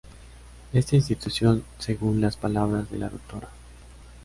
Esta institución, según las palabras de la Dra.